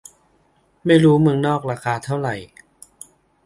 ไม่รู้เมืองนอกราคาเท่าไหร่